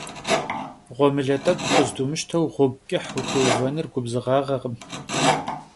Ğuemıle t'ek'u khızdomışteu ğuegu ç'ıh vutêhenır gubzığağekhım.